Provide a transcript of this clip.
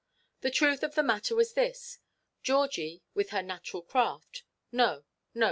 The truth of the matter was this: Georgie, with her natural craft—no, no!